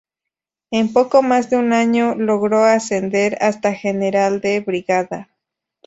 En poco más de un año, logró ascender hasta general de brigada.